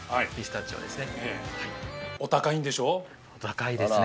お高いですね。